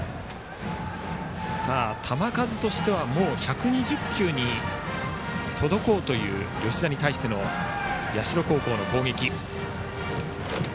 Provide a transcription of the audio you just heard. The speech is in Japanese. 球数としては、もう１２０球に届こうという吉田に対しての社高校の攻撃。